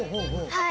はい。